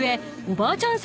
おばあちゃん